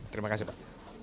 terima kasih pak